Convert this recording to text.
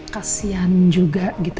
kasian juga gitu